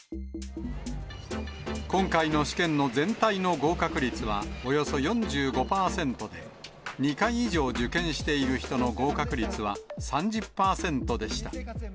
今回の試験の全体の合格率はおよそ４５％で、２回以上受験している人の合格率は３０％でした。